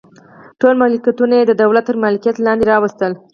ټول ملکیتونه یې د دولت تر مالکیت لاندې راوستل.